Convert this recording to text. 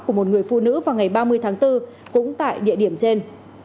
của một người phụ nữ vào ngày ba mươi tháng bốn cũng tại địa điểm trên